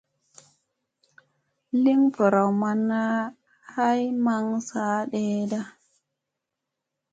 Iin ɓaraw manna ha maŋ saa ɗeeɗa.